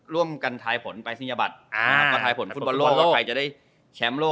ร่วมกันถ่ายผลปลายสนียบัตร